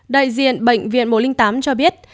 đại diện bệnh viện một trăm linh tám cho biết